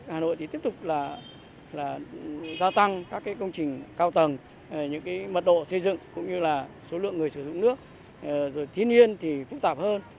hà nội thì tiếp tục là gia tăng các công trình cao tầng những mật độ xây dựng cũng như là số lượng người sử dụng nước rồi thiên nhiên thì phức tạp hơn